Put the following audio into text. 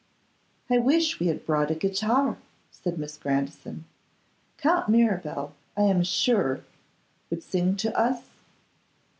'I wish we had brought a guitar,' said Miss Grandison; 'Count Mirabel, I am sure, would sing to us?